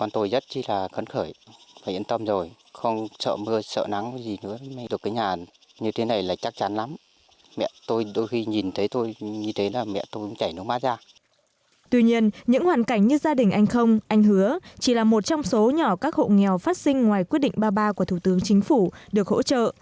tuy nhiên những hoàn cảnh như gia đình anh không anh hứa chỉ là một trong số nhỏ các hộ nghèo phát sinh ngoài quyết định ba mươi ba của thủ tướng chính phủ được hỗ trợ